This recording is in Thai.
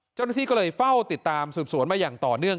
เจ้าหน้าที่ก็เลยเฝ้าติดตามสืบสวนมาอย่างต่อเนื่อง